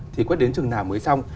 thì quét đến chừng nào mới xong